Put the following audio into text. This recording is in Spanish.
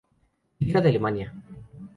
Liga de Alemania